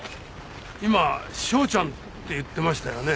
今ショーちゃんって言ってましたよね？